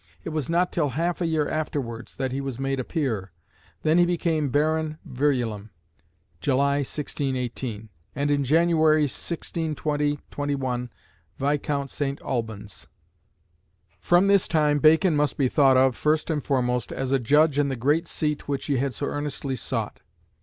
It was not till half a year afterwards that he was made a Peer. Then he became Baron Verulam (July, 1618), and in January, 1620/21, Viscount St. Alban's. From this time Bacon must be thought of, first and foremost, as a Judge in the great seat which he had so earnestly sought.